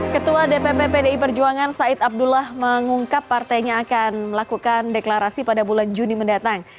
ketua dpp pdi perjuangan said abdullah mengungkap partainya akan melakukan deklarasi pada bulan juni mendatang